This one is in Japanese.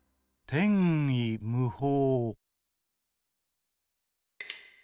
「てんいむほう」。